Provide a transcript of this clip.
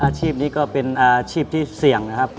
อาชีพนี้ก็เป็นอาชีพที่เสี่ยงนะครับ